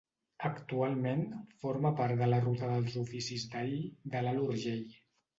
Actualment forma part de la Ruta dels oficis d'ahir de l'Alt Urgell.